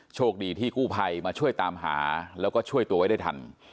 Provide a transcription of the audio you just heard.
โชคดีที่กู้ภัยมาช่วยตามหาแล้วก็ช่วยตัวไว้ได้ทัน